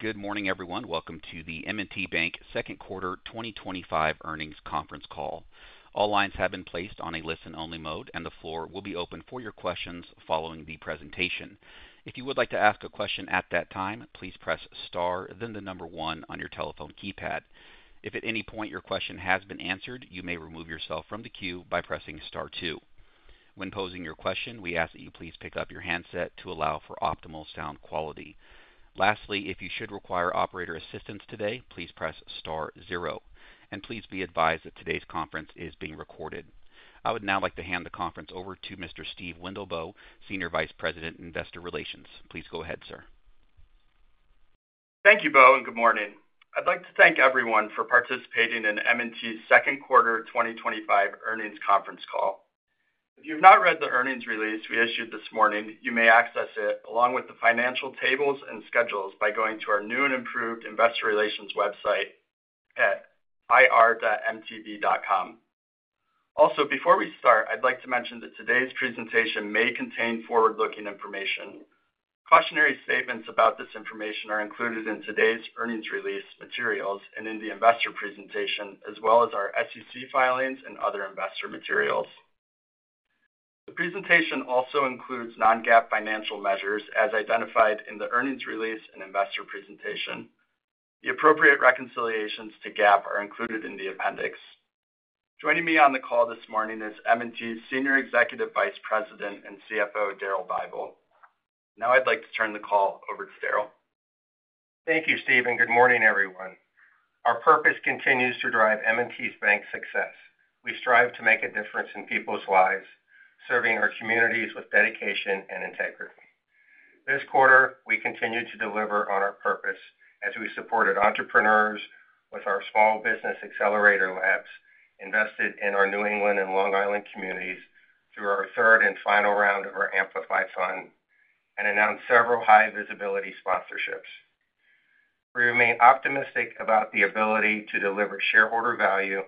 Good morning, everyone. Welcome to the M&T Bank Second Quarter 2025 earnings conference call. All lines have been placed on a listen-only mode, and the floor will be open for your questions following the presentation. If you would like to ask a question at that time, please press Star, then the number one on your telephone keypad. If at any point your question has been answered, you may remove yourself from the queue by pressing Star Two. When posing your question, we ask that you please pick up your handset to allow for optimal sound quality. Lastly, if you should require operator assistance today, please press Star Zero. Please be advised that today's conference is being recorded. I would now like to hand the conference over to Mr. Steve Wendelboe, Senior Vice President, Investor Relations. Please go ahead, sir. Thank you, Bo, and good morning. I'd like to thank everyone for participating in M&T's Second Quarter 2025 earnings conference call. If you have not read the earnings release we issued this morning, you may access it along with the financial tables and schedules by going to our new and improved Investor Relations website at ir.mtb.com. Also, before we start, I'd like to mention that today's presentation may contain forward-looking information. Cautionary statements about this information are included in today's earnings release materials and in the investor presentation, as well as our SEC filings and other investor materials. The presentation also includes non-GAAP financial measures as identified in the earnings release and investor presentation. The appropriate reconciliations to GAAP are included in the appendix. Joining me on the call this morning is M&T's Senior Executive Vice President and CFO, Daryl Bible. Now I'd like to turn the call over to Daryl. Thank you, Steve, and good morning, everyone. Our purpose continues to drive M&T Bank's success. We strive to make a difference in people's lives, serving our communities with dedication and integrity. This quarter, we continue to deliver on our purpose as we supported entrepreneurs with our Small Business Accelerator Labs, invested in our New England and Long Island communities through our third and final round of our Amplify Fund, and announced several high-visibility sponsorships. We remain optimistic about the ability to deliver shareholder value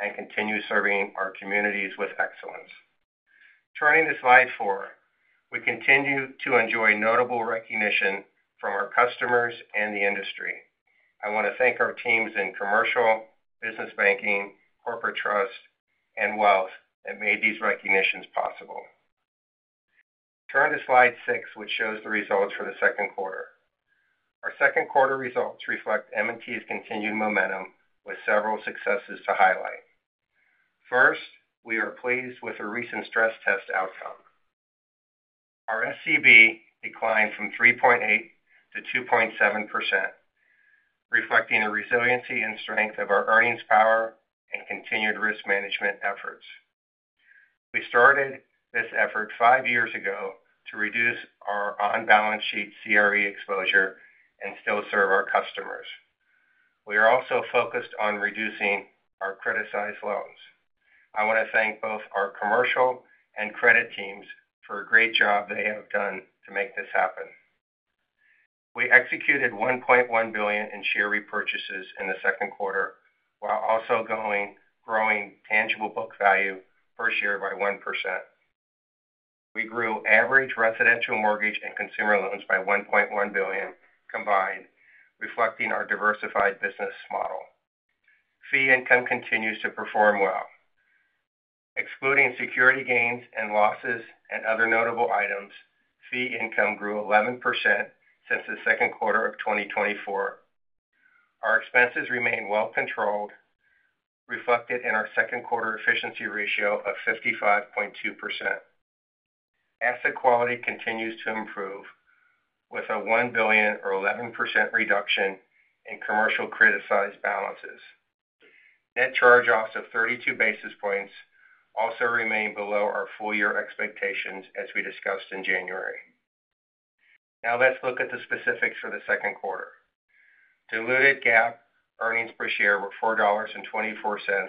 and continue serving our communities with excellence. Turning to slide four, we continue to enjoy notable recognition from our customers and the industry. I want to thank our teams in Commercial, Business Banking, Corporate Trust, and Wealth that made these recognitions possible. Turn to slide six, which shows the results for the second quarter. Our second quarter results reflect M&T's continued momentum with several successes to highlight. First, we are pleased with a recent stress test outcome. Our SCB declined from 3.8% to 2.7%, reflecting the resiliency and strength of our earnings power and continued risk management efforts. We started this effort five years ago to reduce our on-balance sheet CRE exposure and still serve our customers. We are also focused on reducing our criticized loans. I want to thank both our Commercial and Credit teams for a great job they have done to make this happen. We executed $1.1 billion in share repurchases in the second quarter while also growing tangible book value per share by 1%. We grew average residential mortgage and consumer loans by $1.1 billion combined, reflecting our diversified business model. Fee income continues to perform well. Excluding security gains and losses and other notable items, fee income grew 11% since the second quarter of 2024. Our expenses remain well controlled, reflected in our second quarter efficiency ratio of 55.2%. Asset quality continues to improve with a $1 billion, or 11%, reduction in commercial criticized balances. Net charge-offs of 32 basis points also remain below our full-year expectations as we discussed in January. Now let's look at the specifics for the second quarter. Diluted GAAP earnings per share were $4.24,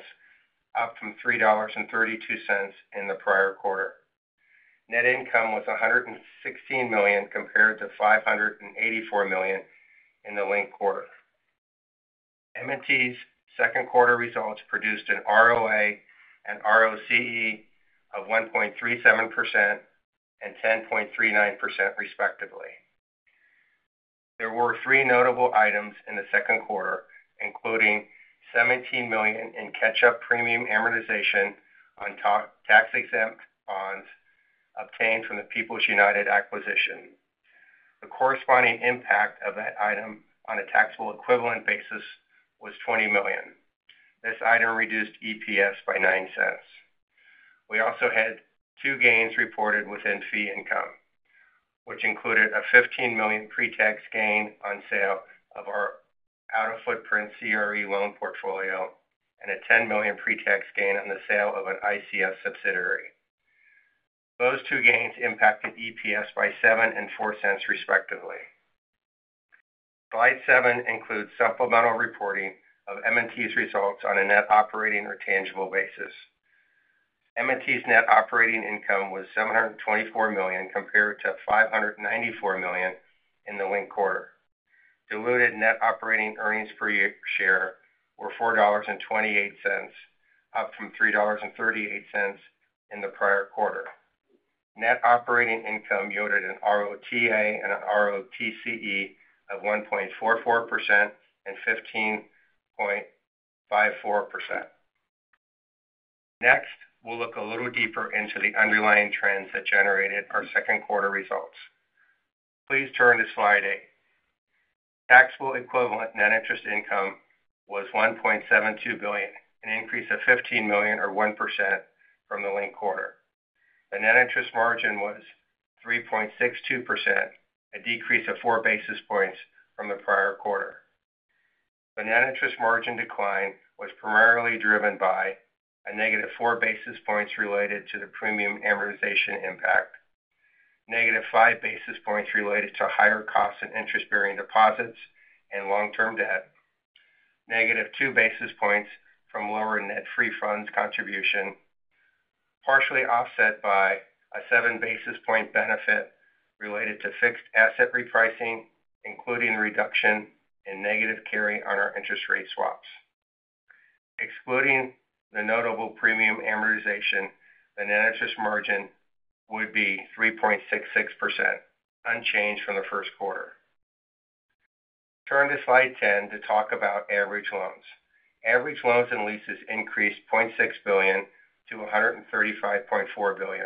up from $3.32 in the prior quarter. Net income was $116 million compared to $584 million in the linked quarter. M&T's second quarter results produced an ROA and ROCE of 1.37% and 10.39%, respectively. There were three notable items in the second quarter, including $17 million in catch-up premium amortization on tax-exempt bonds obtained from the People's United Acquisition. The corresponding impact of that item on a taxable equivalent basis was $20 million. This item reduced EPS by $0.09. We also had two gains reported within fee income, which included a $15 million pre-tax gain on sale of our out-of-footprint CRE loan portfolio and a $10 million pre-tax gain on the sale of an ICF subsidiary. Those two gains impacted EPS by $0.07 and $0.04, respectively. Slide seven includes supplemental reporting of M&T's results on a net operating or tangible basis. M&T's net operating income was $724 million compared to $594 million in the linked quarter. Diluted net operating earnings per share were $4.28, up from $3.38 in the prior quarter. Net operating income yielded an ROTA and an ROTCE of 1.44% and 15.54%. Next, we'll look a little deeper into the underlying trends that generated our second quarter results. Please turn to slide eight. Taxable equivalent net interest income was $1.72 billion, an increase of $15 million, or 1%, from the link quarter. The net interest margin was 3.62%, a decrease of 4 basis points from the prior quarter. The net interest margin decline was primarily driven by a -4 four basis points related to the premium amortization impact, -5 basis points related to higher costs and interest-bearing deposits, and long-term debt, -2 basis points from lower net free funds contribution. Partially offset by a 7 basis point benefit related to fixed asset repricing, including reduction in negative carry on our interest rate swaps. Excluding the notable premium amortization, the net interest margin would be 3.66%, unchanged from the first quarter. Turn to slide 10 to talk about average loans. Average loans and leases increased $0.6 billion to $135.4 billion.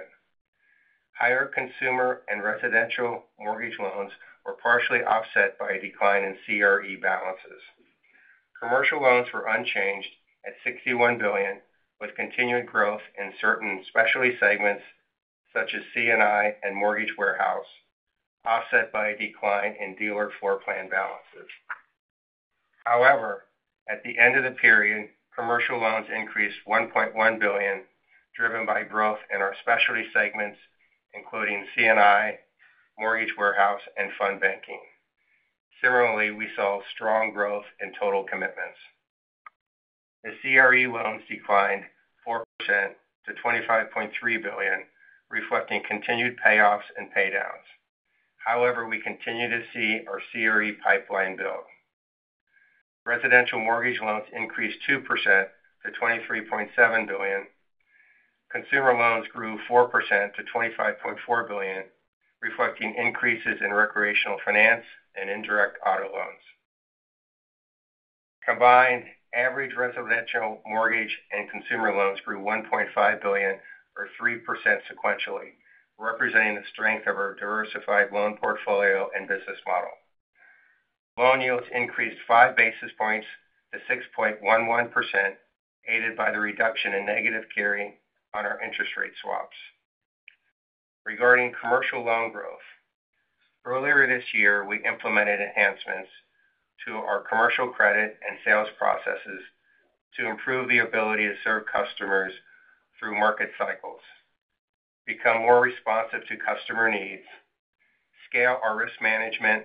Higher consumer and residential mortgage loans were partially offset by a decline in CRE balances. Commercial loans were unchanged at $61 billion, with continued growth in certain specialty segments such as C&I and mortgage warehouse, offset by a decline in dealer floor plan balances. However, at the end of the period, commercial loans increased $1.1 billion, driven by growth in our specialty segments, including C&I, mortgage warehouse, and fund banking. Similarly, we saw strong growth in total commitments. The CRE loans declined 4% to $25.3 billion, reflecting continued payoffs and paydowns. However, we continue to see our CRE pipeline build. Residential mortgage loans increased 2% to $23.7 billion. Consumer loans grew 4% to $25.4 billion, reflecting increases in recreational finance and indirect auto loans. Combined, average residential mortgage and consumer loans grew $1.5 billion, or 3%, sequentially, representing the strength of our diversified loan portfolio and business model. Loan yields increased 5 basis points to 6.11%, aided by the reduction in negative carry on our interest rate swaps. Regarding commercial loan growth. Earlier this year, we implemented enhancements to our commercial credit and sales processes to improve the ability to serve customers through market cycles, become more responsive to customer needs, scale our risk management,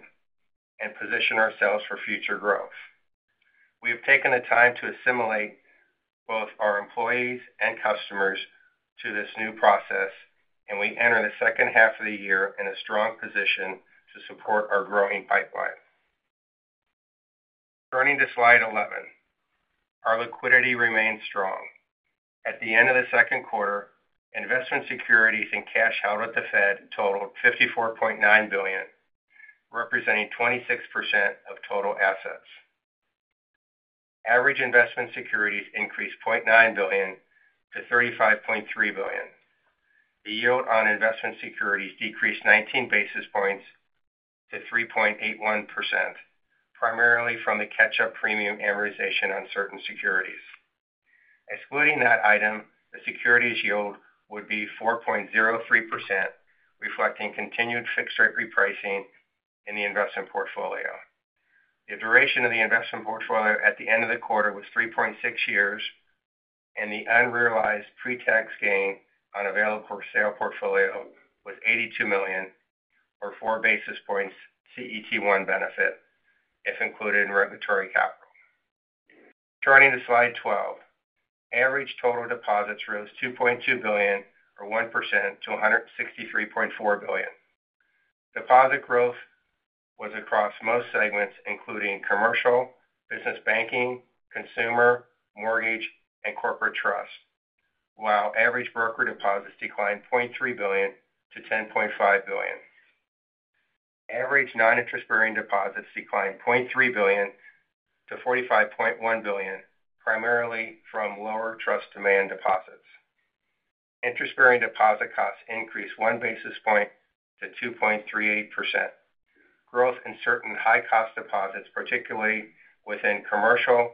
and position ourselves for future growth. We have taken the time to assimilate both our employees and customers to this new process, and we enter the second half of the year in a strong position to support our growing pipeline. Turning to slide 11. Our liquidity remains strong. At the end of the second quarter, investment securities and cash held at the Fed totaled $54.9 billion, representing 26% of total assets. Average investment securities increased $0.9 billion to $35.3 billion. The yield on investment securities decreased 19 basis points to 3.81%. Primarily from the catch-up premium amortization on certain securities. Excluding that item, the securities yield would be 4.03%, reflecting continued fixed-rate repricing in the investment portfolio. The duration of the investment portfolio at the end of the quarter was 3.6 years, and the unrealized pre-tax gain on available for sale portfolio was $82 million, or 4 basis points CET1 benefit, if included in regulatory capital. Turning to slide 12. Average total deposits rose $2.2 billion, or 1%, to $163.4 billion. Deposit growth was across most segments, including commercial, business banking, consumer, mortgage, and corporate trust, while average broker deposits declined $0.3 billion to $10.5 billion. Average non-interest-bearing deposits declined $0.3 billion to $45.1 billion, primarily from lower trust demand deposits. Interest-bearing deposit costs increased 1 basis point to 2.38%. Growth in certain high-cost deposits, particularly within commercial,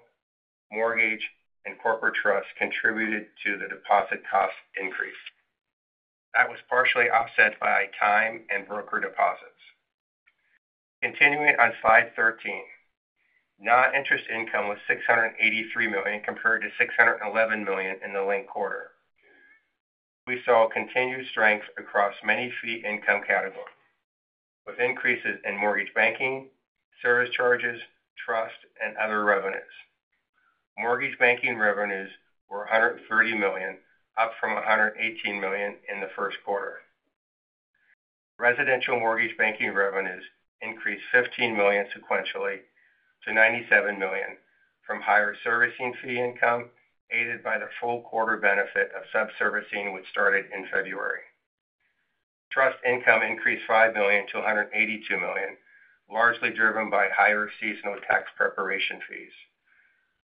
mortgage, and corporate trust, contributed to the deposit cost increase. That was partially offset by time and broker deposits. Continuing on slide 13. Non-interest income was $683 million compared to $611 million in the link quarter. We saw continued strength across many fee income categories, with increases in mortgage banking, service charges, trust, and other revenues. Mortgage banking revenues were $130 million, up from $118 million in the first quarter. Residential mortgage banking revenues increased $15 million sequentially to $97 million from higher servicing fee income, aided by the full quarter benefit of sub-servicing, which started in February. Trust income increased $5 million to $182 million, largely driven by higher seasonal tax preparation fees.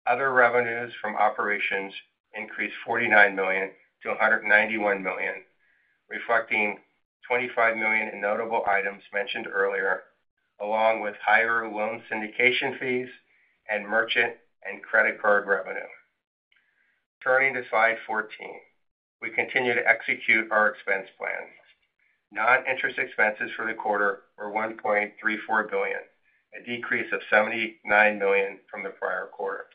Other revenues from operations increased $49 million to $191 million, reflecting $25 million in notable items mentioned earlier, along with higher loan syndication fees and merchant and credit card revenue. Turning to slide 14, we continue to execute our expense plan. Non-interest expenses for the quarter were $1.34 billion, a decrease of $79 million from the prior quarter.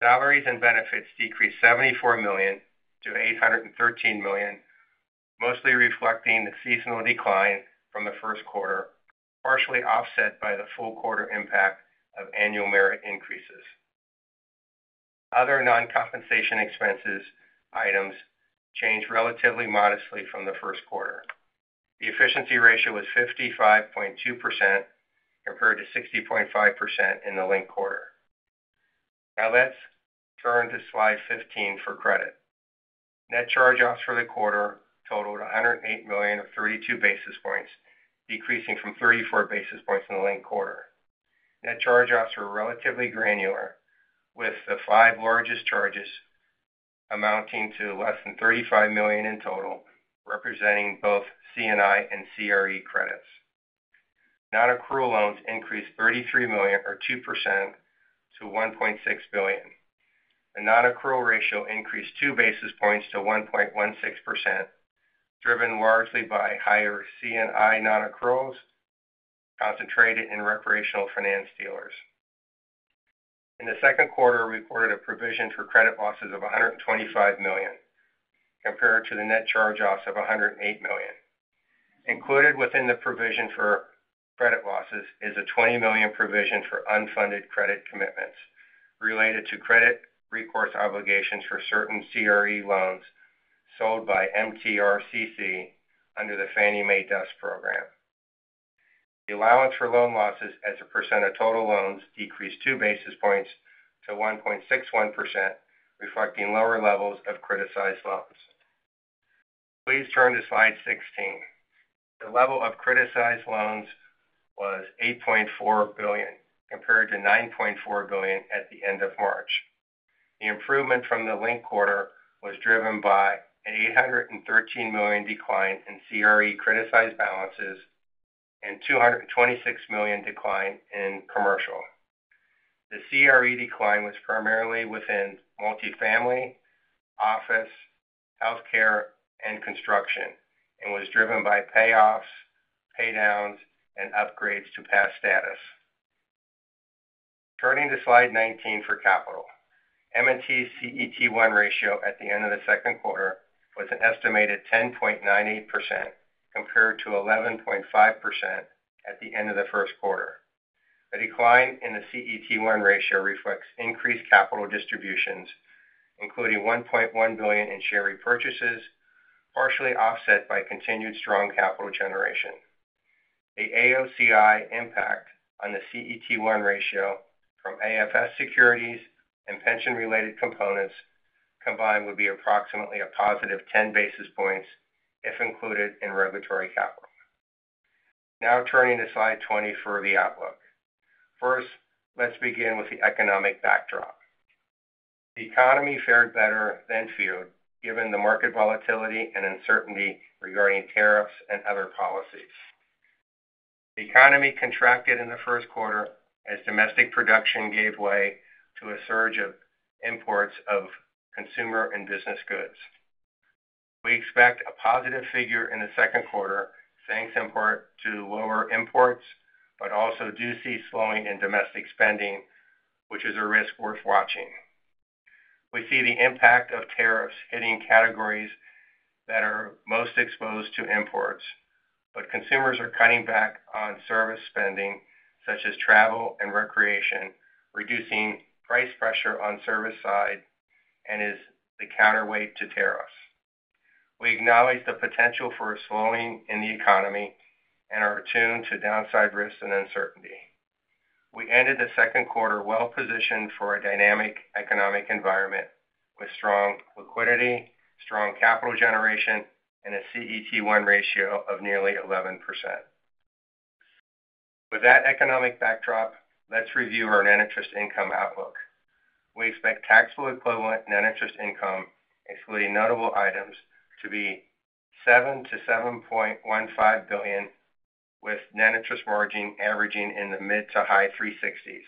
Salaries and benefits decreased $74 million to $813 million, mostly reflecting the seasonal decline from the first quarter, partially offset by the full quarter impact of annual merit increases. Other non-compensation expenses items changed relatively modestly from the first quarter. The efficiency ratio was 55.2%, compared to 60.5% in the link quarter. Now let's turn to slide 15 for credit. Net charge-offs for the quarter totaled $108 million, or 32 basis points, decreasing from 34 basis points in the link quarter. Net charge-offs were relatively granular, with the five largest charges amounting to less than $35 million in total, representing both C&I and CRE credits. Non-accrual loans increased $33 million, or 2%, to $1.6 billion. The non-accrual ratio increased 2 basis points to 1.16%, driven largely by higher C&I non-accruals. Concentrated in recreational finance dealers. In the second quarter, we recorded a provision for credit losses of $125 million, compared to the net charge-offs of $108 million. Included within the provision for credit losses is a $20 million provision for unfunded credit commitments related to credit recourse obligations for certain CRE loans sold by MTRCC under the Fannie Mae Dust program. The allowance for loan losses as a percent of total loans decreased 2 basis points to 1.61%, reflecting lower levels of criticized loans. Please turn to slide 16. The level of criticized loans was $8.4 billion, compared to $9.4 billion at the end of March. The improvement from the link quarter was driven by an $813 million decline in CRE criticized balances and $226 million decline in commercial. The CRE decline was primarily within multifamily, office, healthcare, and construction, and was driven by payoffs, paydowns, and upgrades to past status. Turning to slide 19 for capital. M&T's CET1 ratio at the end of the second quarter was an estimated 10.98%, compared to 11.5% at the end of the first quarter. The decline in the CET1 ratio reflects increased capital distributions, including $1.1 billion in share repurchases, partially offset by continued strong capital generation. The AOCI impact on the CET1 ratio from AFS securities and pension-related components combined would be approximately a positive 10 basis points if included in regulatory capital. Now turning to slide 20 for the outlook. First, let's begin with the economic backdrop. The economy fared better than, given the market volatility and uncertainty regarding tariffs and other policies. The economy contracted in the first quarter as domestic production gave way to a surge of imports of consumer and business goods. We expect a positive figure in the second quarter, thanks in part to lower imports, but also do see slowing in domestic spending, which is a risk worth watching. We see the impact of tariffs hitting categories that are most exposed to imports, but consumers are cutting back on service spending, such as travel and recreation, reducing price pressure on the service side, and is the counterweight to tariffs. We acknowledge the potential for a slowing in the economy and are attuned to downside risks and uncertainty. We ended the second quarter well-positioned for a dynamic economic environment with strong liquidity, strong capital generation, and a CET1 ratio of nearly 11%. With that economic backdrop, let's review our net interest income outlook. We expect taxable equivalent net interest income, excluding notable items, to be $7 billion-$7.15 billion, with net interest margin averaging in the mid to high 360s.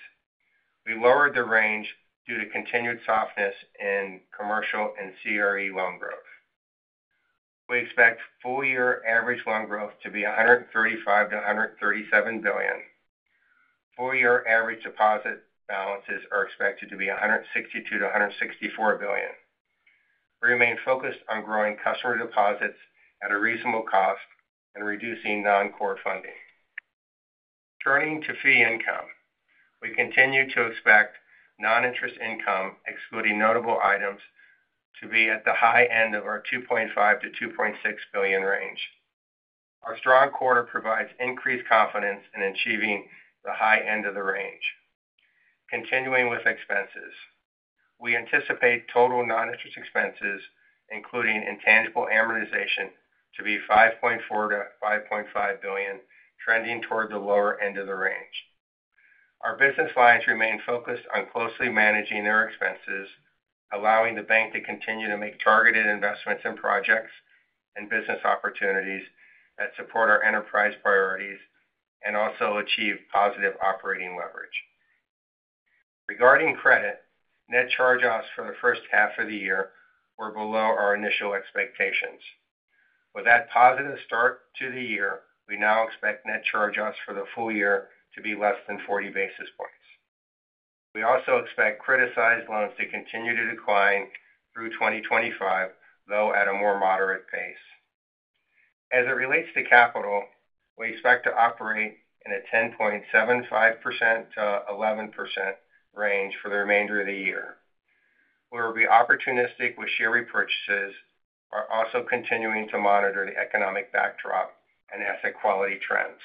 We lowered the range due to continued softness in commercial and CRE loan growth. We expect full-year average loan growth to be $135 billion-$137 billion. Full-year average deposit balances are expected to be $162 billion-$164 billion. We remain focused on growing customer deposits at a reasonable cost and reducing non-core funding. Turning to fee income, we continue to expect non-interest income, excluding notable items, to be at the high end of our $2.5 billion-$2.6 billion range. Our strong quarter provides increased confidence in achieving the high end of the range. Continuing with expenses, we anticipate total non-interest expenses, including intangible amortization, to be $5.4 billion-$5.5 billion, trending toward the lower end of the range. Our business lines remain focused on closely managing their expenses, allowing the bank to continue to make targeted investments in projects and business opportunities that support our enterprise priorities and also achieve positive operating leverage. Regarding credit, net charge-offs for the first half of the year were below our initial expectations. With that positive start to the year, we now expect net charge-offs for the full year to be less than 40 basis points. We also expect criticized loans to continue to decline through 2025, though at a more moderate pace. As it relates to capital, we expect to operate in a 10.75%-11% range for the remainder of the year. We will be opportunistic with share repurchases, while also continuing to monitor the economic backdrop and asset quality trends.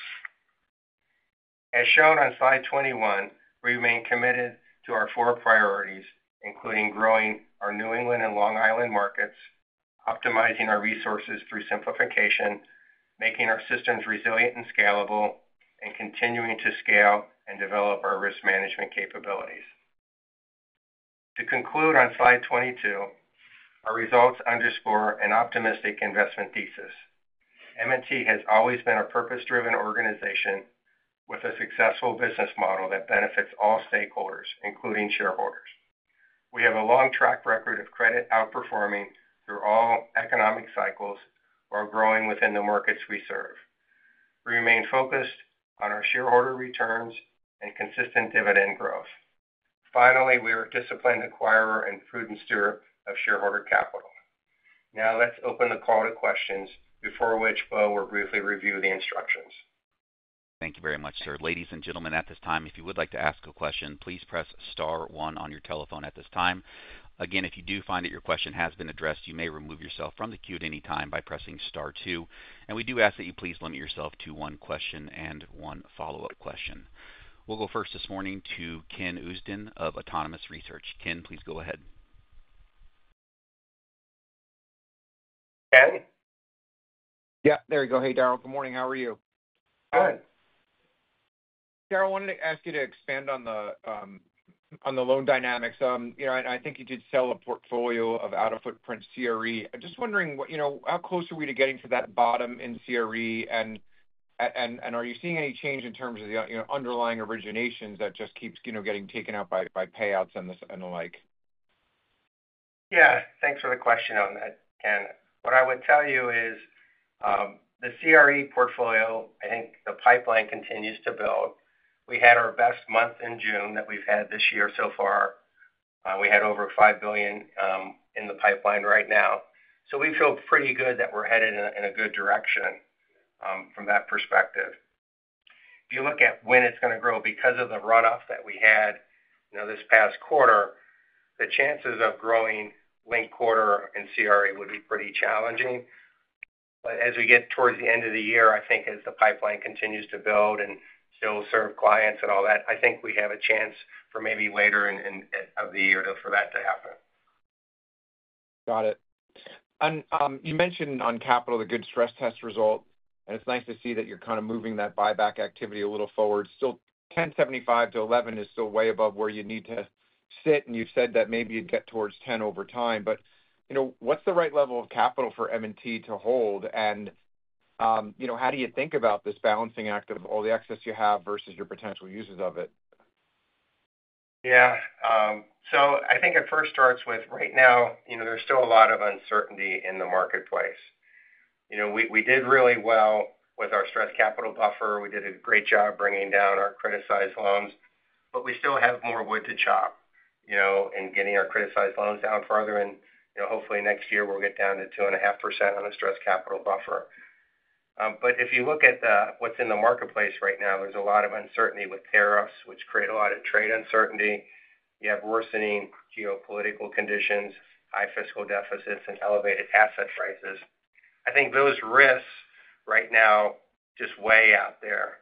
As shown on slide 21, we remain committed to our four priorities, including growing our New England and Long Island markets, optimizing our resources through simplification, making our systems resilient and scalable, and continuing to scale and develop our risk management capabilities. To conclude on slide 22, our results underscore an optimistic investment thesis. M&T has always been a purpose-driven organization with a successful business model that benefits all stakeholders, including shareholders. We have a long track record of credit outperforming through all economic cycles while growing within the markets we serve. We remain focused on our shareholder returns and consistent dividend growth. Finally, we are a disciplined acquirer and prudent steward of shareholder capital. Now let's open the call to questions, before which Bo will briefly review the instructions. Thank you very much, sir. Ladies and gentlemen, at this time, if you would like to ask a question, please press star one on your telephone at this time. Again, if you do find that your question has been addressed, you may remove yourself from the queue at any time by pressing star two. We do ask that you please limit yourself to one question and one follow-up question. We'll go first this morning to Ken Usdin of Autonomous Research. Ken, please go ahead. Ken? Yeah, there you go. Hey, Daryl. Good morning. How are you? Good. Daryl, I wanted to ask you to expand on the loan dynamics. I think you did sell a portfolio of out-of-footprint CRE. I'm just wondering, how close are we to getting to that bottom in CRE? And. Are you seeing any change in terms of the underlying originations that just keep getting taken out by payouts and the like? Yeah. Thanks for the question on that, Ken. What I would tell you is the CRE portfolio, I think the pipeline continues to build. We had our best month in June that we've had this year so far. We had over $5 billion in the pipeline right now. We feel pretty good that we're headed in a good direction from that perspective. If you look at when it's going to grow, because of the runoff that we had this past quarter, the chances of growing link quarter in CRE would be pretty challenging. As we get towards the end of the year, I think as the pipeline continues to build and still serve clients and all that, I think we have a chance for maybe later in the year for that to happen. Got it. You mentioned on capital a good stress test result, and it's nice to see that you're kind of moving that buyback activity a little forward. Still, 10.75% to 11 is still way above where you need to sit, and you've said that maybe you'd get towards 10 over time. What's the right level of capital for M&T to hold? How do you think about this balancing act of all the excess you have versus your potential uses of it? Yeah. I think it first starts with, right now, there's still a lot of uncertainty in the marketplace. We did really well with our stress capital buffer. We did a great job bringing down our criticized loans, but we still have more wood to chop in getting our criticized loans down further. Hopefully, next year, we'll get down to 2.5% on a stress capital buffer. If you look at what's in the marketplace right now, there's a lot of uncertainty with tariffs, which create a lot of trade uncertainty. You have worsening geopolitical conditions, high fiscal deficits, and elevated asset prices. I think those risks right now just weigh out there.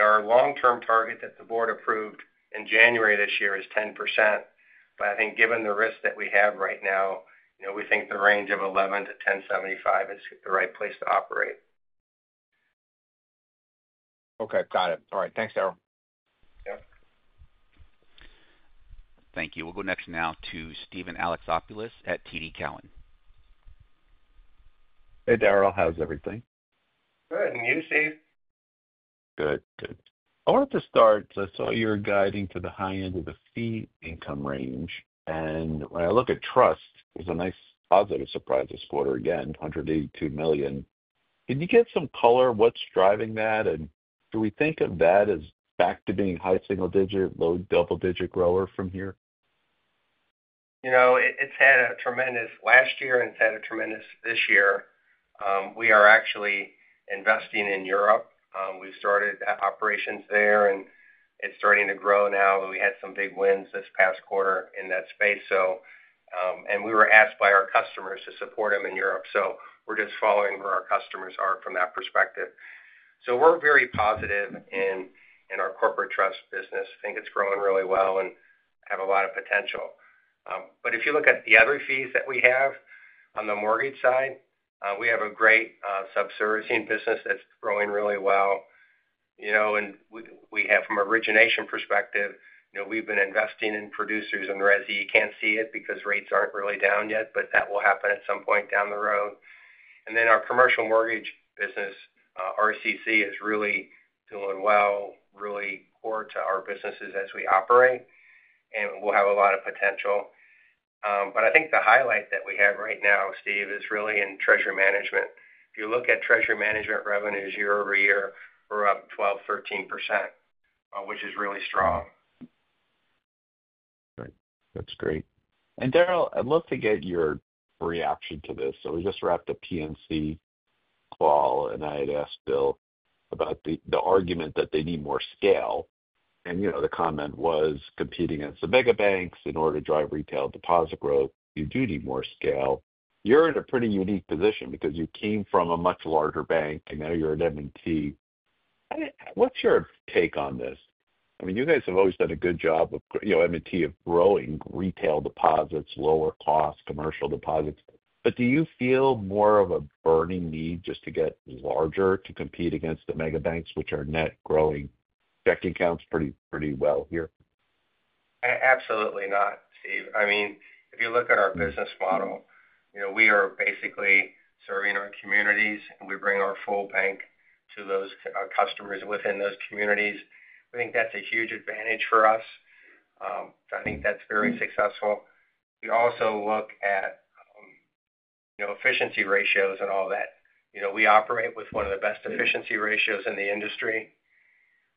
Our long-term target that the board approved in January this year is 10%. I think given the risks that we have right now, we think the range of 11%-10.75% is the right place to operate. Okay. Got it. All right. Thanks, Daryl. Yep. Thank you. We'll go next now to Steven Alexopoulos at TD Cowen. Hey, Daryl. How's everything? Good. And you, Steve? Good. Good. I wanted to start. I saw you're guiding to the high end of the fee income range. And when I look at trust, it was a nice positive surprise this quarter again, $182 million. Can you get some color on what's driving that? And do we think of that as back to being high single-digit, low double-digit grower from here? It's had a tremendous last year, and it's had a tremendous this year. We are actually investing in Europe. We've started operations there, and it's starting to grow now. We had some big wins this past quarter in that space. We were asked by our customers to support them in Europe. We are just following where our customers are from that perspective. We're very positive in our corporate trust business. I think it's growing really well and has a lot of potential. If you look at the other fees that we have on the mortgage side, we have a great sub-servicing business that's growing really well. From an origination perspective, we've been investing in producers and resi. You can't see it because rates aren't really down yet, but that will happen at some point down the road. Our commercial mortgage business, RCC, is really doing well, really core to our businesses as we operate, and will have a lot of potential. I think the highlight that we have right now, Steve, is really in treasury management. If you look at treasury management revenues year over year, we're up 12-13%, which is really strong. That's great. Daryl, I'd love to get your reaction to this. We just wrapped a P&C call, and I had asked Bill about the argument that they need more scale. The comment was, "Competing against the mega banks in order to drive retail deposit growth, you do need more scale." You're in a pretty unique position because you came from a much larger bank, and now you're at M&T. What's your take on this? I mean, you guys have always done a good job at M&T of growing retail deposits, lower-cost commercial deposits. Do you feel more of a burning need just to get larger to compete against the mega banks, which are net growing? Checking accounts pretty well here. Absolutely not, Steve. I mean, if you look at our business model, we are basically serving our communities, and we bring our full bank to our customers within those communities. I think that's a huge advantage for us. I think that's very successful. We also look at efficiency ratios and all that. We operate with one of the best efficiency ratios in the industry.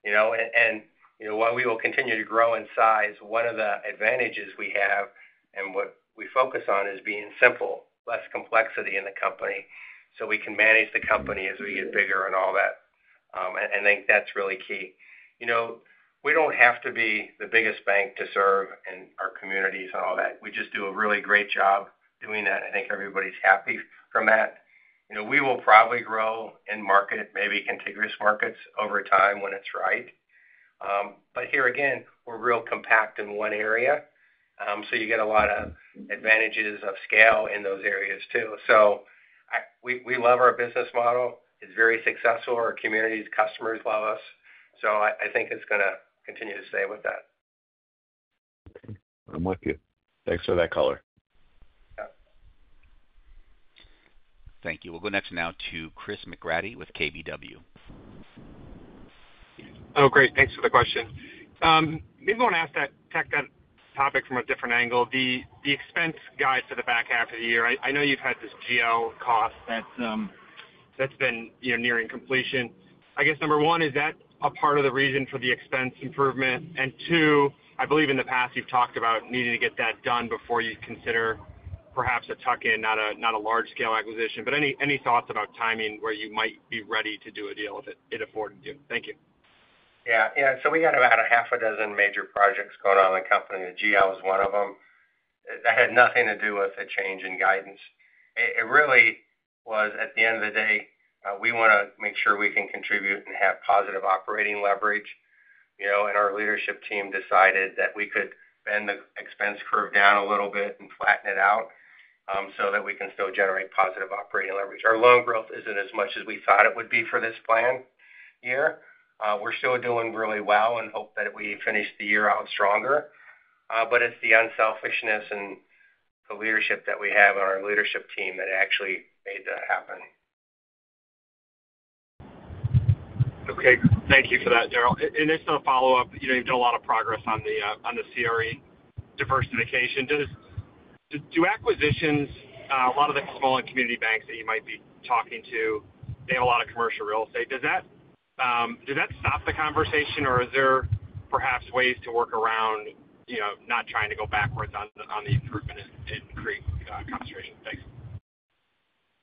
While we will continue to grow in size, one of the advantages we have and what we focus on is being simple, less complexity in the company so we can manage the company as we get bigger and all that. I think that's really key. We do not have to be the biggest bank to serve in our communities and all that. We just do a really great job doing that. I think everybody's happy from that. We will probably grow and market maybe contiguous markets over time when it's right. Here again, we're real compact in one area. You get a lot of advantages of scale in those areas too. We love our business model. It's very successful. Our community's customers love us. I think it's going to continue to stay with that. I'm with you. Thanks for that color. Thank you. We'll go next now to Chris McGratty with KBW. Oh, great. Thanks for the question. Maybe I want to ask that topic from a different angle. The expense guide for the back half of the year, I know you've had this GL cost that's been nearing completion. I guess, number one, is that a part of the reason for the expense improvement? I believe in the past, you've talked about needing to get that done before you consider perhaps a tuck-in, not a large-scale acquisition. Any thoughts about timing where you might be ready to do a deal if it afforded you? Thank you. Yeah. We had about half a dozen major projects going on in the company. The GL is one of them. That had nothing to do with a change in guidance. It really was, at the end of the day, we want to make sure we can contribute and have positive operating leverage. Our leadership team decided that we could bend the expense curve down a little bit and flatten it out, so that we can still generate positive operating leverage. Our loan growth is not as much as we thought it would be for this plan year. We're still doing really well and hope that we finish the year out stronger. It is the unselfishness and the leadership that we have on our leadership team that actually made that happen. Okay. Thank you for that, Daryl. Just a follow-up. You've done a lot of progress on the CRE diversification. Do acquisitions, a lot of the small and community banks that you might be talking to, they have a lot of commercial real estate. Does that stop the conversation, or is there perhaps ways to work around? Not trying to go backwards on the improvement and create concentration? Thanks.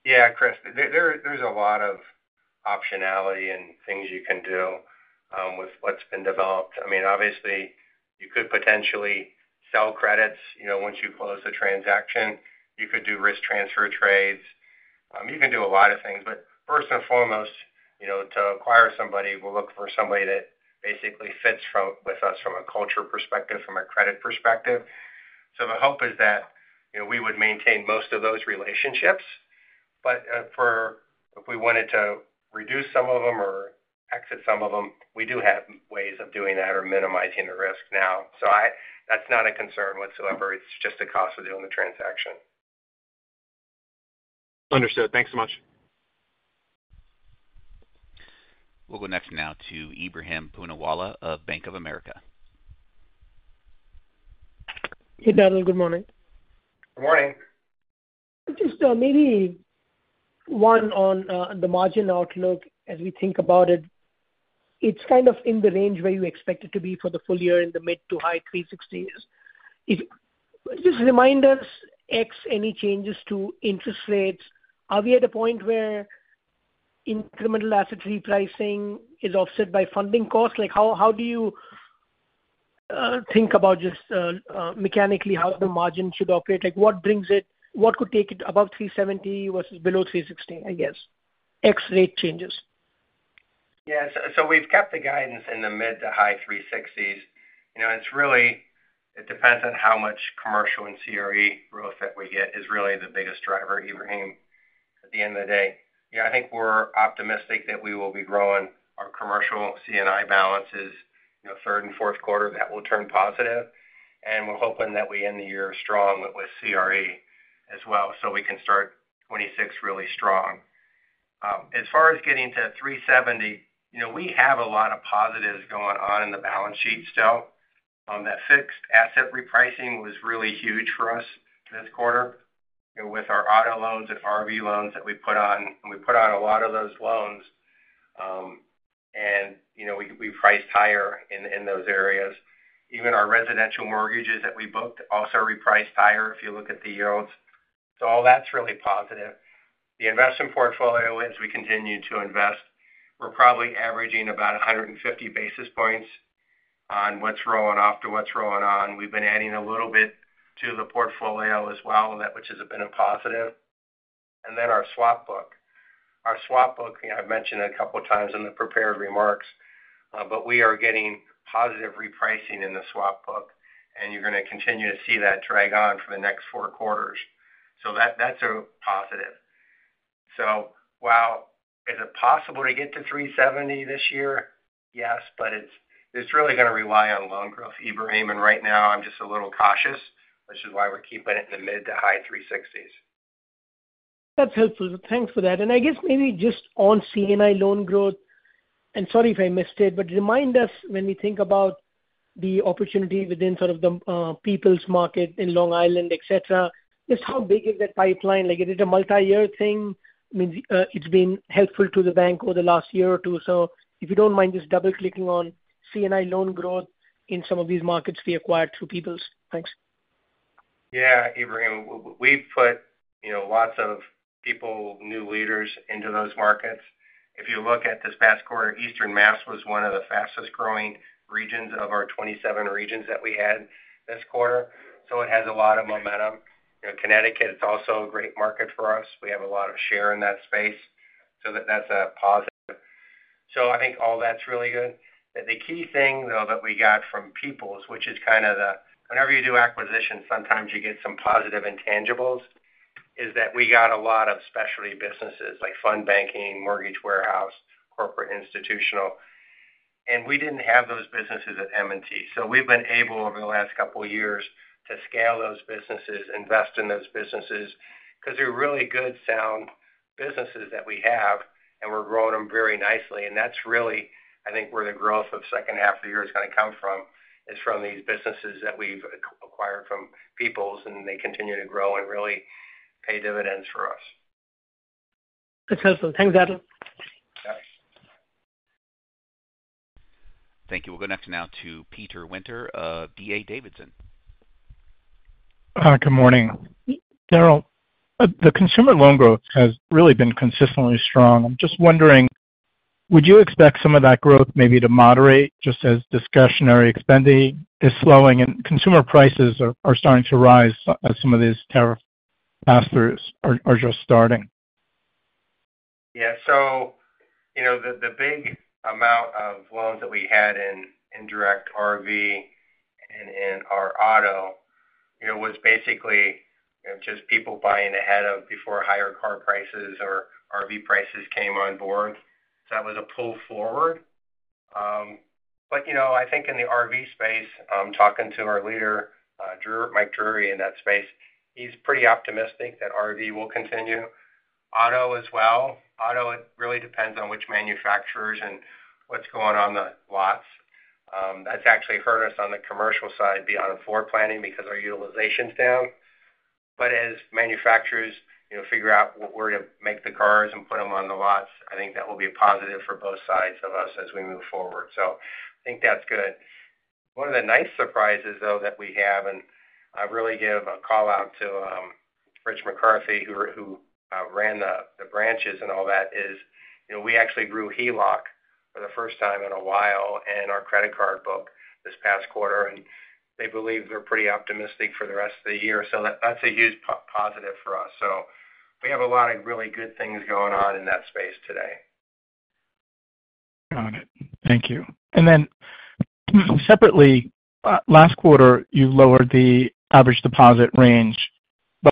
Yeah, Chris. There's a lot of optionality and things you can do with what's been developed. I mean, obviously, you could potentially sell credits once you close the transaction. You could do risk transfer trades. You can do a lot of things. First and foremost. To acquire somebody, we'll look for somebody that basically fits with us from a culture perspective, from a credit perspective. The hope is that we would maintain most of those relationships. If we wanted to reduce some of them or exit some of them, we do have ways of doing that or minimizing the risk now. That is not a concern whatsoever. It is just the cost of doing the transaction. Understood. Thanks so much. We'll go next now to Ebrahim Poonawalla of Bank of America. Hey, Daryl. Good morning. Good morning. Just maybe one on the margin outlook as we think about it. It is kind of in the range where you expect it to be for the full year in the mid to high 360s. Just remind us, X, any changes to interest rates? Are we at a point where incremental asset repricing is offset by funding costs? How do you think about just mechanically how the margin should operate? What could take it above 370 basis points versus below 360 basis points, I guess, X rate changes? Yeah. We've kept the guidance in the mid to high 360s. It depends on how much commercial and CRE real estate we get is really the biggest driver, Ibrahim, at the end of the day. I think we're optimistic that we will be growing our commercial C&I balances third and fourth quarter that will turn positive. We're hoping that we end the year strong with CRE as well so we can start 2026 really strong. As far as getting to 370 basis points, we have a lot of positives going on in the balance sheet still. That fixed asset repricing was really huge for us this quarter with our auto loans and RV loans that we put on. We put on a lot of those loans. We priced higher in those areas. Even our residential mortgages that we booked also repriced higher if you look at the yields. All that's really positive. The investment portfolio, as we continue to invest, we're probably averaging about 150 basis points on what's rolling off to what's rolling on. We've been adding a little bit to the portfolio as well, which has been a positive. Our swap book, I've mentioned a couple of times in the prepared remarks, but we are getting positive repricing in the swap book. You're going to continue to see that drag on for the next four quarters. That's a positive. Is it possible to get to 370 basis points this year? Yes. It's really going to rely on loan growth, Ebrahim. Right now, I'm just a little cautious, which is why we're keeping it in the mid to high 360s. That's helpful. Thanks for that. I guess maybe just on C&I loan growth, and sorry if I missed it, but remind us when we think about the opportunity within sort of the People's Market in Long Island, etc., just how big is that pipeline? Is it a multi-year thing? I mean, it's been helpful to the bank over the last year or two. If you don't mind just double-clicking on C&I loan growth in some of these markets we acquired through People's. Thanks. Yeah. Ibrahim, we've put lots of people, new leaders into those markets. If you look at this past quarter, Eastern Mass was one of the fastest-growing regions of our 27 regions that we had this quarter. It has a lot of momentum. Connecticut is also a great market for us. We have a lot of share in that space. That is a positive. I think all that is really good. The key thing, though, that we got from People's, which is kind of the whenever you do acquisitions, sometimes you get some positive intangibles, is that we got a lot of specialty businesses like fund banking, mortgage warehouse, corporate institutional. We did not have those businesses at M&T. We have been able over the last couple of years to scale those businesses, invest in those businesses because they are really good-sound businesses that we have, and we are growing them very nicely. That is really, I think, where the growth of the second half of the year is going to come from, from these businesses that we have acquired from People's, and they continue to grow and really pay dividends for us. That is helpful. Thanks, Daryl. Thank you. We'll go next now to Peter Winter of D.A. Davidson. Good morning. Daryl, the consumer loan growth has really been consistently strong. I'm just wondering, would you expect some of that growth maybe to moderate just as discretionary spending is slowing and consumer prices are starting to rise as some of these tariff pass-throughs are just starting? Yeah. The big amount of loans that we had in indirect RV and in our auto was basically just people buying ahead of before higher car prices or RV prices came on board. That was a pull forward. I think in the RV space, talking to our leader, Mike Drury, in that space, he's pretty optimistic that RV will continue. Auto as well. Auto really depends on which manufacturers and what's going on the lots. That's actually hurt us on the commercial side beyond floor planning because our utilization's down. As manufacturers figure out where to make the cars and put them on the lots, I think that will be a positive for both sides of us as we move forward. I think that's good. One of the nice surprises, though, that we have, and I really give a call out to Rich McCarthy, who ran the branches and all that, is we actually grew HELOC for the first time in a while and our credit card book this past quarter. They believe they're pretty optimistic for the rest of the year. That's a huge positive for us. We have a lot of really good things going on in that space today. Got it. Thank you. And then. Separately, last quarter, you lowered the average deposit range,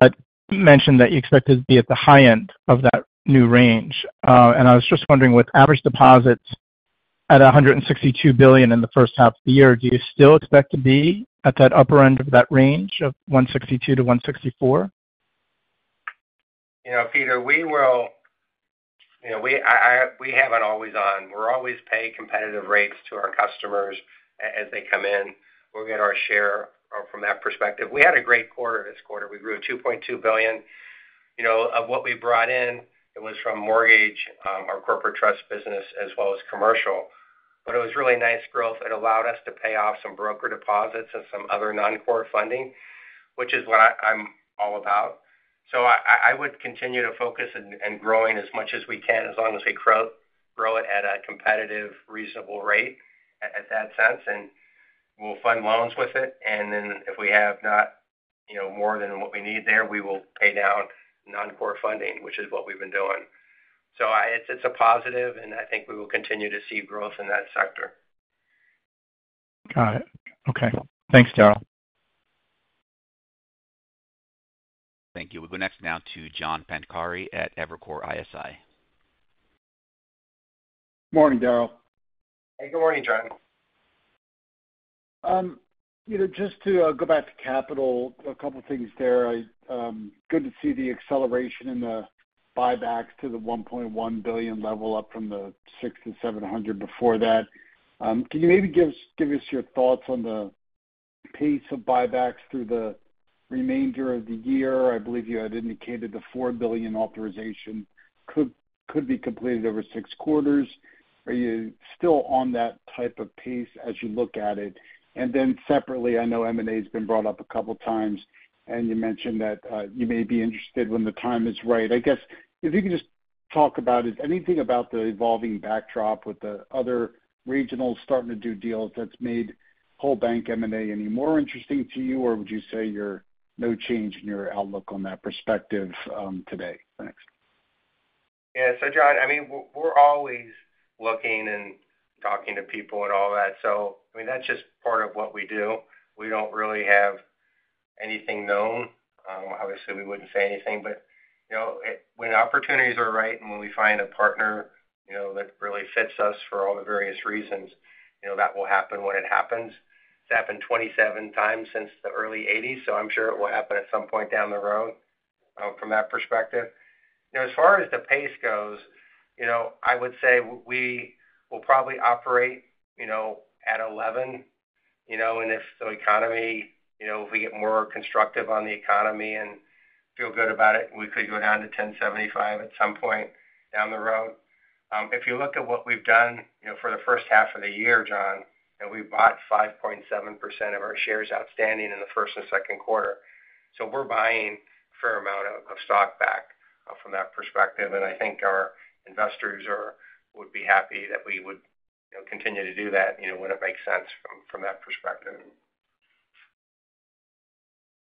but mentioned that you expected to be at the high end of that new range. I was just wondering, with average deposits at $162 billion in the first half of the year, do you still expect to be at that upper end of that range of $162 billion-$164 billion? Peter, we will. We have not always on. We are always paying competitive rates to our customers as they come in. We will get our share from that perspective. We had a great quarter this quarter. We grew $2.2 billion. Of what we brought in, it was from mortgage, our corporate trust business, as well as commercial. It was really nice growth. It allowed us to pay off some broker deposits and some other non-core funding, which is what I am all about. I would continue to focus on growing as much as we can as long as we grow it at a competitive, reasonable rate in that sense. We will fund loans with it. If we have more than what we need there, we will pay down non-core funding, which is what we have been doing. It is a positive, and I think we will continue to see growth in that sector. Got it. Okay. Thanks, Daryl. Thank you. We will go next now to John Pancari at Evercore ISI. Morning, Daryl. Hey, good morning, John. Just to go back to capital, a couple of things there. Good to see the acceleration in the buybacks to the $1.1 billion level up from the $600 million-$700 million before that. Can you maybe give us your thoughts on the pace of buybacks through the remainder of the year? I believe you had indicated the $4 billion authorization could be completed over six quarters. Are you still on that type of pace as you look at it? Then separately, I know M&A has been brought up a couple of times, and you mentioned that you may be interested when the time is right. I guess if you could just talk about it, anything about the evolving backdrop with the other regionals starting to do deals that's made whole bank M&A any more interesting to you, or would you say you're no change in your outlook on that perspective today? Thanks. Yeah. John, I mean, we're always looking and talking to people and all that. I mean, that's just part of what we do. We don't really have anything known. Obviously, we wouldn't say anything. When opportunities are right and when we find a partner. That really fits us for all the various reasons, that will happen when it happens. It's happened 27 times since the early 1980s, so I'm sure it will happen at some point down the road from that perspective. As far as the pace goes, I would say we will probably operate at 11. And if the economy, if we get more constructive on the economy and feel good about it, we could go down to 10.75% at some point down the road. If you look at what we've done for the first half of the year, John, we bought 5.7% of our shares outstanding in the first and second quarter. We're buying a fair amount of stock back from that perspective. I think our investors would be happy that we would continue to do that when it makes sense from that perspective.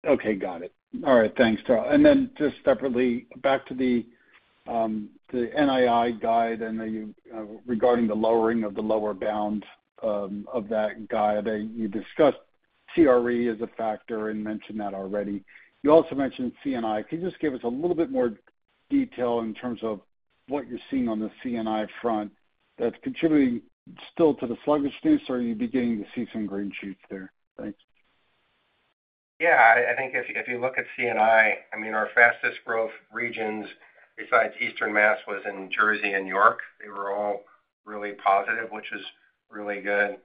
Okay. Got it. All right. Thanks, Daryl. And then just separately, back to the NII guide regarding the lowering of the lower bound of that guide. You discussed CRE as a factor and mentioned that already. You also mentioned C&I. Can you just give us a little bit more detail in terms of what you're seeing on the C&I front that's contributing still to the sluggishness, or are you beginning to see some green shoots there? Thanks. Yeah. I think if you look at C&I, I mean, our fastest-growth regions besides Eastern Mass was in New Jersey and New York. They were all really positive, which is really good.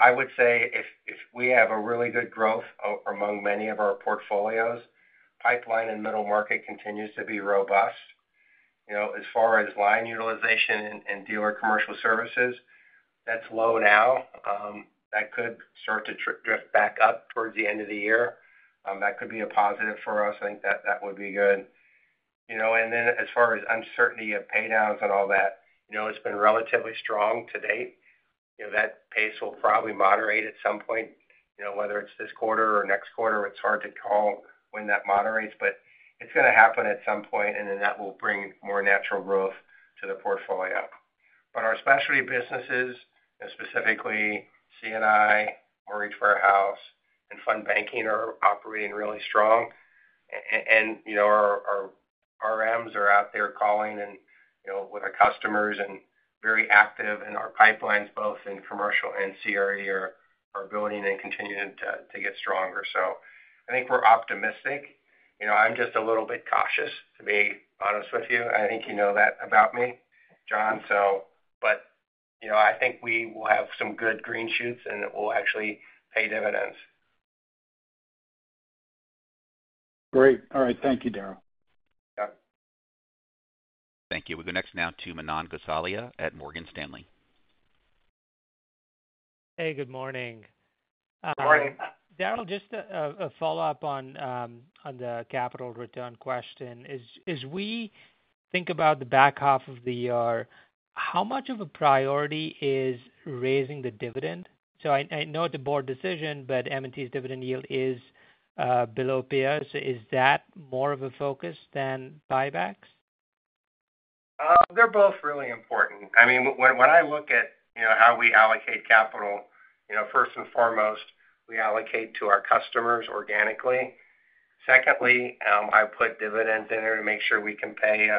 I would say if we have a really good growth among many of our portfolios, pipeline and middle market continues to be robust. As far as line utilization and dealer commercial services, that's low now. That could start to drift back up towards the end of the year. That could be a positive for us. I think that would be good. As far as uncertainty of paydowns and all that, it has been relatively strong to date. That pace will probably moderate at some point. Whether it is this quarter or next quarter, it is hard to call when that moderates. It is going to happen at some point, and that will bring more natural growth to the portfolio. Our specialty businesses, specifically C&I, mortgage warehouse, and fund banking, are operating really strong. Our RMs are out there calling with our customers and very active. Our pipelines, both in commercial and CRE, are building and continuing to get stronger. I think we are optimistic. I am just a little bit cautious, to be honest with you. I think you know that about me, John. I think we will have some good green shoots, and it will actually pay dividends. Great. All right. Thank you, Daryl. Thank you. We'll go next now to Manan Gosalia at Morgan Stanley. Hey, good morning. Good morning. Daryl, just a follow-up on the capital return question. As we think about the back half of the year, how much of a priority is raising the dividend? I know it's a board decision, but M&T's dividend yield is below peer. Is that more of a focus than buybacks? They're both really important. I mean, when I look at how we allocate capital, first and foremost, we allocate to our customers organically. Secondly, I put dividends in there to make sure we can pay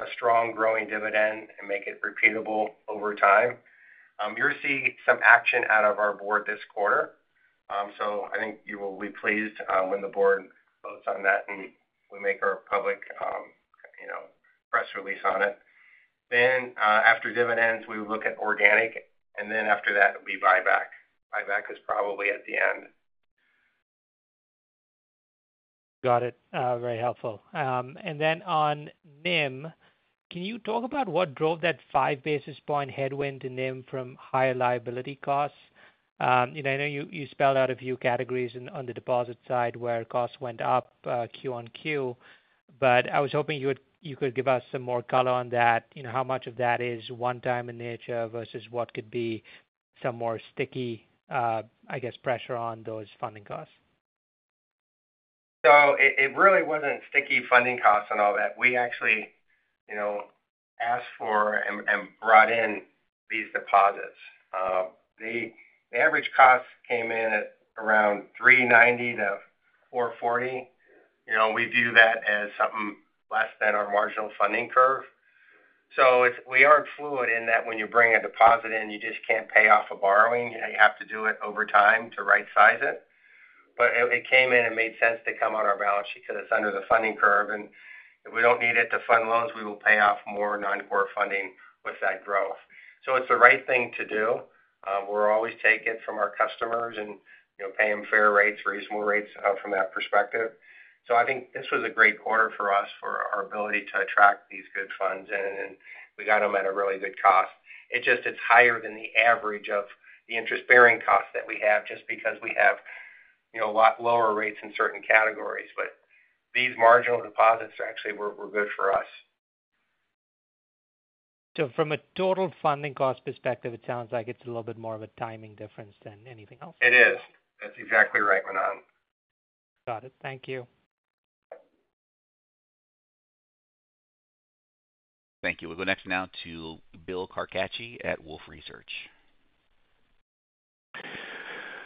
a strong growing dividend and make it repeatable over time. You'll see some action out of our board this quarter. I think you will be pleased when the board votes on that and we make our public press release on it. After dividends, we look at organic. After that, we buy back. Buyback is probably at the end. Got it. Very helpful. On NIM, can you talk about what drove that five basis point headwind to NIM from higher liability costs? I know you spelled out a few categories on the deposit side where costs went up, Q-on-Q. I was hoping you could give us some more color on that, how much of that is one-time in nature versus what could be some more sticky, I guess, pressure on those funding costs. It really wasn't sticky funding costs and all that. We actually asked for and brought in these deposits. The average cost came in at around $390-$440. We view that as something less than our marginal funding curve. We are not fluid in that when you bring a deposit in, you just cannot pay off a borrowing. You have to do it over time to right-size it. It came in and made sense to come on our balance sheet because it is under the funding curve. If we do not need it to fund loans, we will pay off more non-core funding with that growth. It is the right thing to do. We will always take it from our customers and pay them fair rates, reasonable rates from that perspective. I think this was a great quarter for us for our ability to attract these good funds in. We got them at a really good cost. It's just it's higher than the average of the interest-bearing costs that we have just because we have a lot lower rates in certain categories. But these marginal deposits actually were good for us. From a total funding cost perspective, it sounds like it's a little bit more of a timing difference than anything else. It is. That's exactly right, Manan. Got it. Thank you. Thank you. We'll go next now to Bill Carcache at Wolfe Research.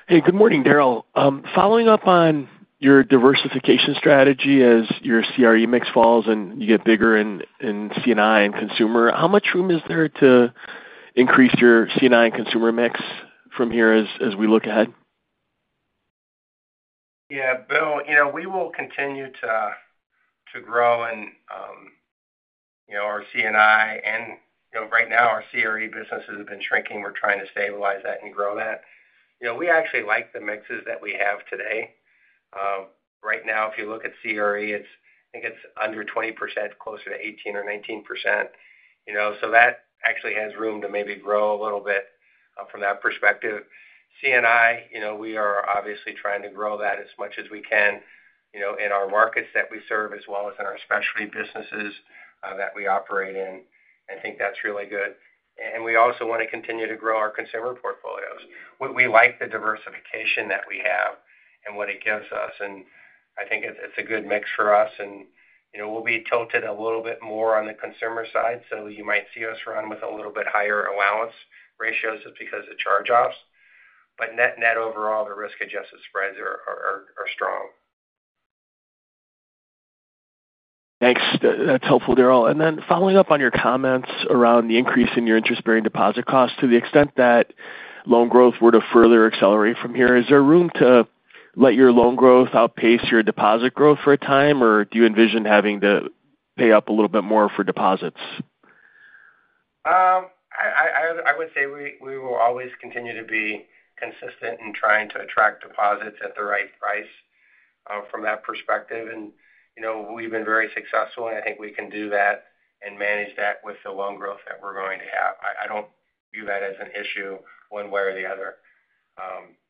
Hey, good morning, Daryl. Following up on your diversification strategy as your CRE mix falls and you get bigger in C&I and consumer, how much room is there to increase your C&I and consumer mix from here as we look ahead? Yeah. Bill, we will continue to grow in our C&I. And right now, our CRE businesses have been shrinking. We're trying to stabilize that and grow that. We actually like the mixes that we have today. Right now, if you look at CRE, I think it's under 20%, closer to 18% or 19%. That actually has room to maybe grow a little bit from that perspective. C&I, we are obviously trying to grow that as much as we can in our markets that we serve, as well as in our specialty businesses that we operate in. I think that's really good. We also want to continue to grow our consumer portfolios. We like the diversification that we have and what it gives us. I think it's a good mix for us. We'll be tilted a little bit more on the consumer side. You might see us run with a little bit higher allowance ratios just because of charge-offs. Net-net overall, the risk-adjusted spreads are strong. Thanks. That's helpful, Daryl. Following up on your comments around the increase in your interest-bearing deposit costs, to the extent that loan growth were to further accelerate from here, is there room to let your loan growth outpace your deposit growth for a time, or do you envision having to pay up a little bit more for deposits? I would say we will always continue to be consistent in trying to attract deposits at the right price from that perspective. We have been very successful, and I think we can do that and manage that with the loan growth that we are going to have. I do not view that as an issue one way or the other.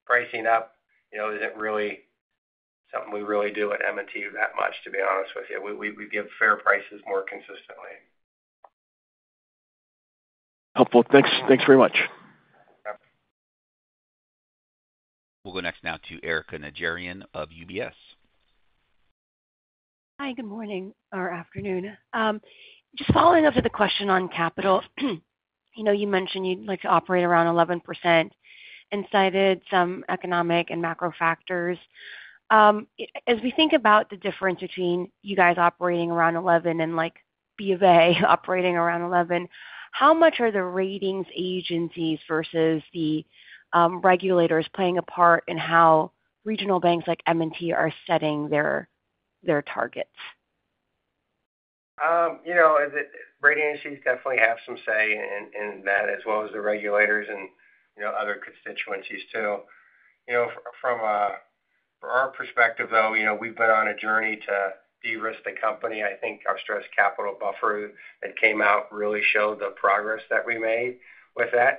Pricing up is not really something we do at M&T that much, to be honest with you. We give fair prices more consistently. Helpful. Thanks very much. We will go next now to Erika Najarian of UBS. Hi. Good morning or afternoon. Just following up to the question on capital, you mentioned you'd like to operate around 11%. You cited some economic and macro factors. As we think about the difference between you guys operating around 11% and B of A operating around 11%, how much are the ratings agencies versus the regulators playing a part in how regional banks like M&T are setting their targets? Rating agencies definitely have some say in that, as well as the regulators and other constituencies too. From our perspective, though, we've been on a journey to de-risk the company. I think our stress capital buffer that came out really showed the progress that we made with that.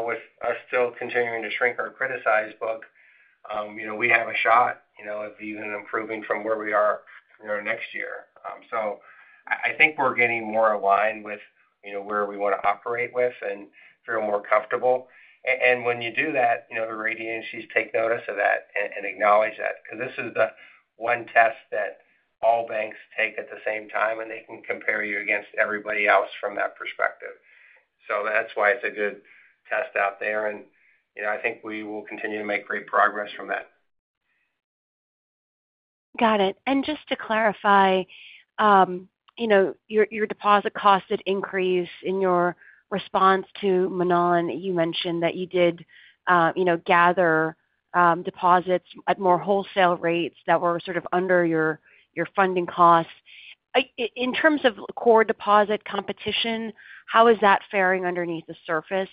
With us still continuing to shrink our criticized book, we have a shot of even improving from where we are next year. I think we're getting more aligned with where we want to operate with and feel more comfortable. When you do that, the rating issues take notice of that and acknowledge that because this is the one test that all banks take at the same time, and they can compare you against everybody else from that perspective. That's why it's a good test out there. I think we will continue to make great progress from that. Got it. Just to clarify, your deposit cost increase in your response to Manan, you mentioned that you did gather deposits at more wholesale rates that were sort of under your funding costs. In terms of core deposit competition, how is that faring underneath the surface?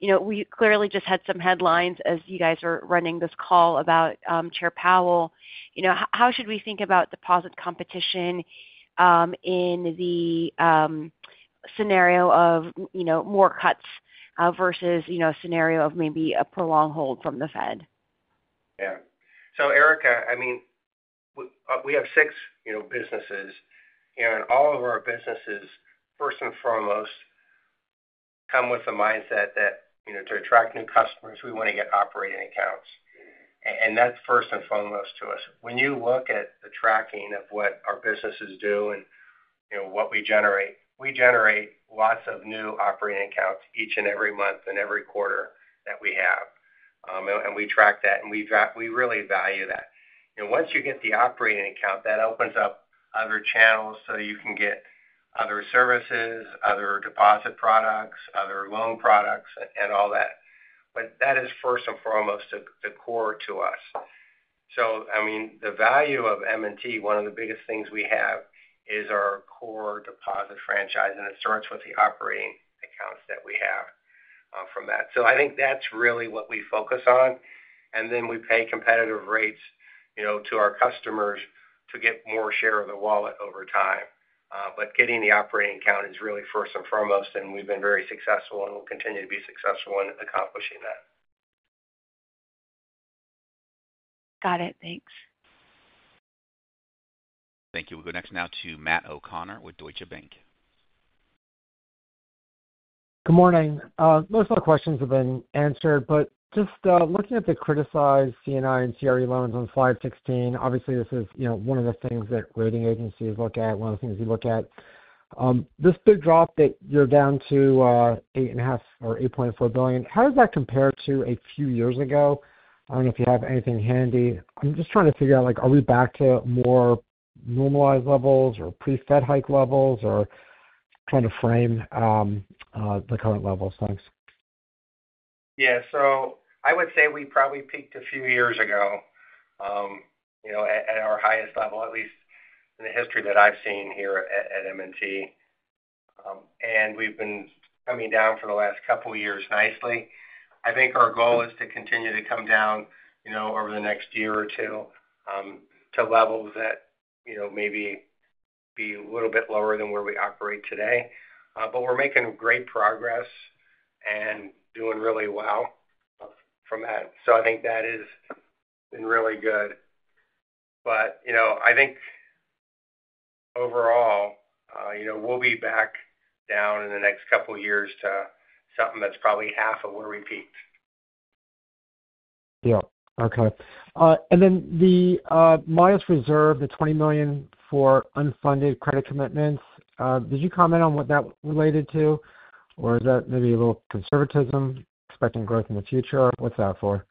We clearly just had some headlines as you guys were running this call about Chair Powell. How should we think about deposit competition. In the scenario of more cuts versus a scenario of maybe a prolonged hold from the Fed? Yeah. So, Erica, I mean, we have six businesses. And all of our businesses, first and foremost, come with a mindset that to attract new customers, we want to get operating accounts. That is first and foremost to us. When you look at the tracking of what our businesses do and what we generate, we generate lots of new operating accounts each and every month and every quarter that we have. We track that, and we really value that. Once you get the operating account, that opens up other channels so you can get other services, other deposit products, other loan products, and all that. That is first and foremost the core to us. I mean, the value of M&T, one of the biggest things we have, is our core deposit franchise. It starts with the operating accounts that we have from that. I think that's really what we focus on. We pay competitive rates to our customers to get more share of the wallet over time. Getting the operating account is really first and foremost. We've been very successful and will continue to be successful in accomplishing that. Got it. Thanks. Thank you. We'll go next now to Matt O'Connor with Deutsche Bank. Good morning. Most of the questions have been answered. Just looking at the criticized C&I and CRE loans on slide 16, obviously, this is one of the things that rating agencies look at, one of the things you look at. This big drop that you're down to $8.5 billion or $8.4 billion, how does that compare to a few years ago? I do not know if you have anything handy. I am just trying to figure out, are we back to more normalized levels or pre-Fed hike levels or trying to frame the current levels? Thanks. Yeah. I would say we probably peaked a few years ago. At our highest level, at least in the history that I have seen here at M&T. We have been coming down for the last couple of years nicely. I think our goal is to continue to come down over the next year or two to levels that maybe are a little bit lower than where we operate today. We are making great progress and doing really well from that. I think that has been really good. I think overall. We'll be back down in the next couple of years to something that's probably half of where we peaked. Yeah. Okay. And then the Miles reserved, the $20 million for unfunded credit commitments, did you comment on what that related to? Or is that maybe a little conservatism, expecting growth in the future? What's that for?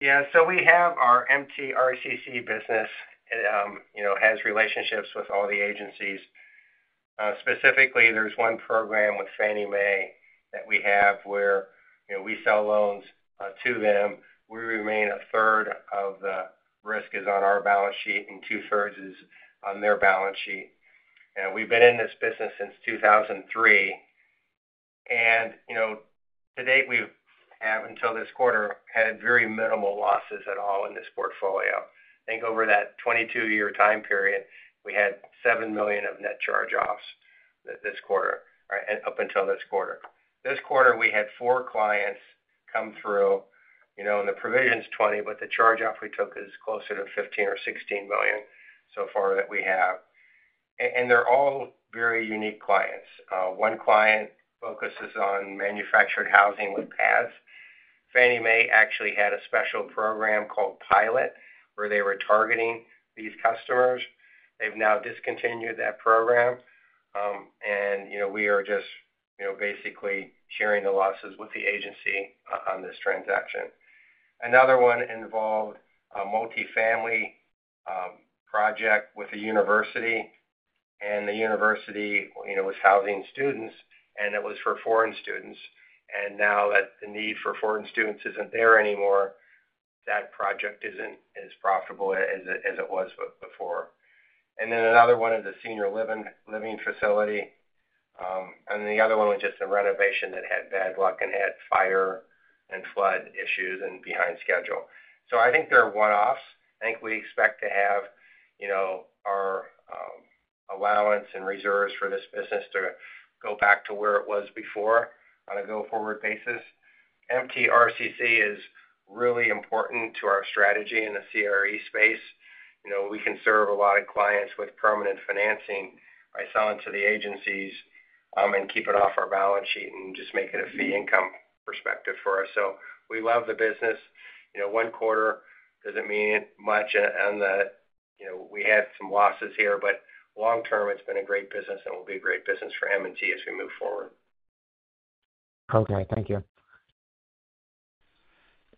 Yeah. We have our MTRCC business. Has relationships with all the agencies. Specifically, there's one program with Fannie Mae that we have where we sell loans to them. We remain a third of the risk is on our balance sheet and two-thirds is on their balance sheet. We've been in this business since 2003. To date, we've had until this quarter, had very minimal losses at all in this portfolio. I think over that 22-year time period, we had $7 million of net charge-offs this quarter, right, up until this quarter. This quarter, we had four clients come through. The provision is $20 million, but the charge-off we took is closer to $15 million or $16 million so far that we have. They are all very unique clients. One client focuses on manufactured housing with pads. Fannie Mae actually had a special program called Pilot where they were targeting these customers. They have now discontinued that program. We are just basically sharing the losses with the agency on this transaction. Another one involved a Multifamily Project with a university. The university was housing students, and it was for foreign students. Now that the need for foreign students is not there anymore, that project is not as profitable as it was before. Another one is a senior living facility. The other one was just a renovation that had bad luck and had fire and flood issues and is behind schedule. I think there are one-offs. I think we expect to have our allowance and reserves for this business go back to where it was before on a go-forward basis. MTRCC is really important to our strategy in the CRE space. We can serve a lot of clients with permanent financing by selling to the agencies and keep it off our balance sheet and just make it a fee-income perspective for us. We love the business. One quarter does not mean much, and we had some losses here. Long-term, it has been a great business and will be a great business for M&T as we move forward. Thank you.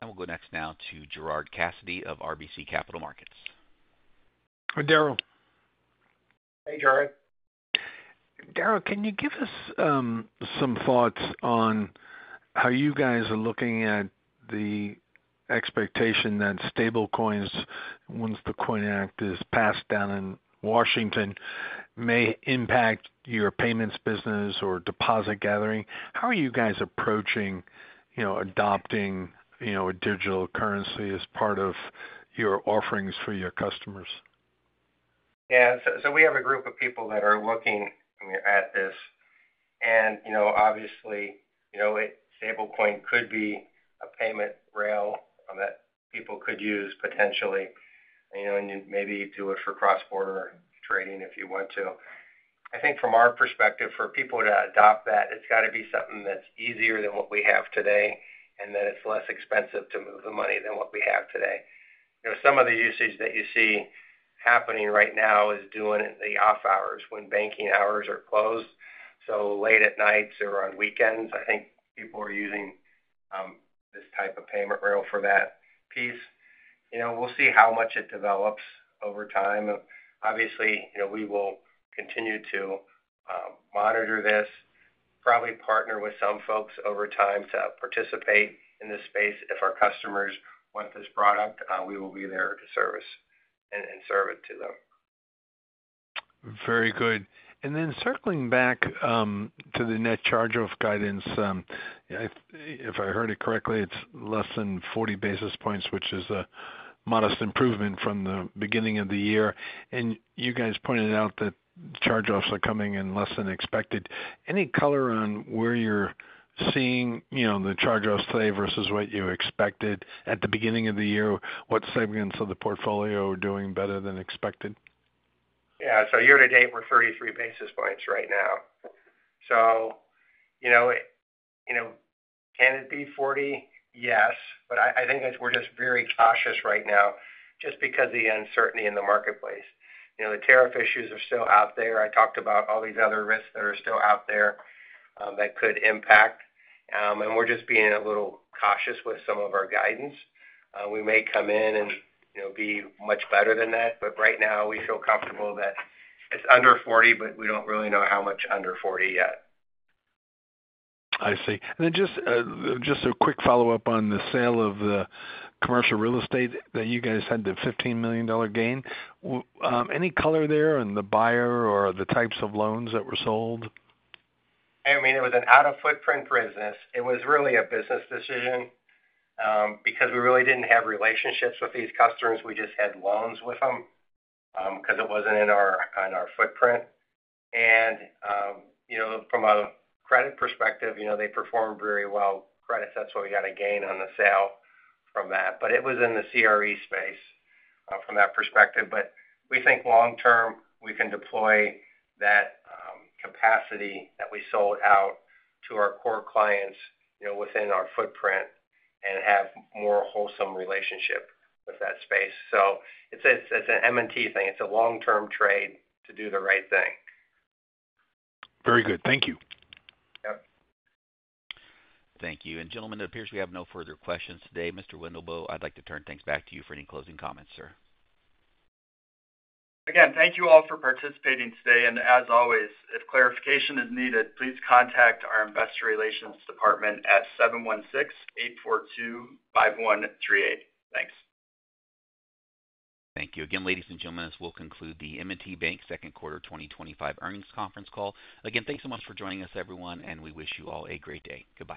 We will go next now to Gerard Cassidy of RBC Capital Markets. Hi, Daryl. Hey, Gerard. Daryl, can you give us some thoughts on how you guys are looking at the expectation that stablecoins, once the Coin Act is passed down in Washington, may impact your payments business or deposit gathering. How are you guys approaching adopting a digital currency as part of your offerings for your customers? Yeah. So we have a group of people that are looking at this. Obviously, stablecoin could be a payment rail that people could use potentially, and maybe do it for cross-border trading if you want to. I think from our perspective, for people to adopt that, it has to be something that is easier than what we have today and that it is less expensive to move the money than what we have today. Some of the usage that you see happening right now is doing it in the off hours when banking hours are closed. Late at nights or on weekends, I think people are using. This type of payment rail for that piece. We'll see how much it develops over time. Obviously, we will continue to monitor this, probably partner with some folks over time to participate in this space. If our customers want this product, we will be there to service and serve it to them. Very good. Then circling back to the net charge-off guidance. If I heard it correctly, it's less than 40 basis points, which is a modest improvement from the beginning of the year. You guys pointed out that charge-offs are coming in less than expected. Any color on where you're seeing the charge-offs today versus what you expected at the beginning of the year? What segments of the portfolio are doing better than expected? Yeah. Year to date, we're 33 basis points right now. Can it be 40 basis points? Yes. I think we're just very cautious right now just because of the uncertainty in the marketplace. The tariff issues are still out there. I talked about all these other risks that are still out there that could impact. We're just being a little cautious with some of our guidance. We may come in and be much better than that. Right now, we feel comfortable that it's under 40 basis points, but we don't really know how much under 40 basis points yet. I see. Just a quick follow-up on the sale of the commercial real estate that you guys had the $15 million gain. Any color there in the buyer or the types of loans that were sold? I mean, it was an out-of-footprint business. It was really a business decision. Because we really didn't have relationships with these customers. We just had loans with them because it was not in our footprint. From a credit perspective, they performed very well. Credit, that is what we got to gain on the sale from that. It was in the CRE space from that perspective. We think long-term, we can deploy that capacity that we sold out to our core clients within our footprint and have a more wholesome relationship with that space. It is an M&T thing. It is a long-term trade to do the right thing. Very good. Thank you. Yep. Thank you. Gentlemen, it appears we have no further questions today. Mr. Wendelboe, I would like to turn things back to you for any closing comments, sir. Again, thank you all for participating today. As always, if clarification is needed, please contact our investor relations department at 716-842-5138. Thanks. Thank you. Again, ladies and gentlemen, this will conclude the M&T Bank Second Quarter 2025 earnings conference call. Again, thanks so much for joining us, everyone, and we wish you all a great day. Goodbye.